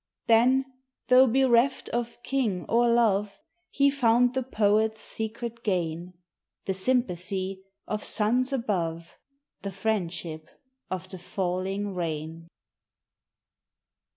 Then, though bereft of king or love, He found the poet's secret gain, The sympathy of suns above, The friendship of the falling rain.